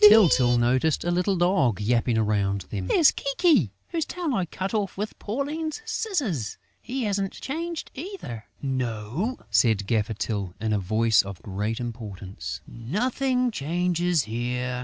Tyltyl noticed a little dog yapping around them: "There's Kiki, whose tail I cut off with Pauline's scissors.... He hasn't changed either...." "No," said Gaffer Tyl, in a voice of great importance, "nothing changes here!"